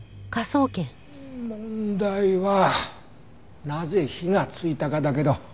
問題はなぜ火がついたかだけど。